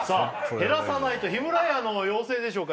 減らさないとヒムラヤの要請でしょうか？